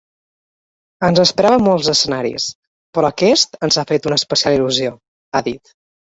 Ens esperàvem molts escenaris, però aquest ens ha fet una especial il·lusió, ha dit.